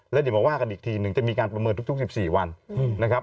แล้วเดี๋ยวมาว่ากันอีกทีหนึ่งจะมีการประเมินทุก๑๔วันนะครับ